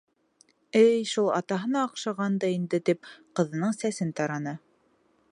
Эй, шул атаһына оҡшаған да инде, тип ҡыҙының сәсен тараны.